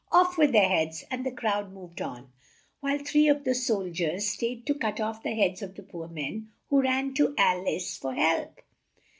"Off with their heads!" and the crowd moved on, while three of the sol diers stayed to cut off the heads of the poor men, who ran to Al ice for help.